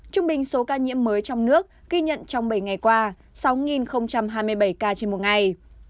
trung bình số ca nhiễm mới trong nước ghi nhận trong bảy ngày qua sáu hai mươi bảy ca trên một ngày